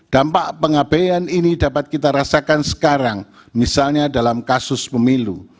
dampak pengabean ini dapat kita rasakan sekarang misalnya dalam kasus pemilu